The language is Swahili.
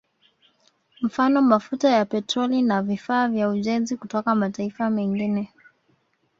Mfano mafuta ya Petroli na vifaa vya ujenzi kutoka mataifa mengine